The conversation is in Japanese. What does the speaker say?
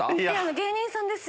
芸人さんですよね。